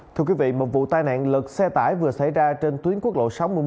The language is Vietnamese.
thưa quý vị một vụ tai nạn lật xe tải vừa xảy ra trên tuyến quốc lộ sáu mươi một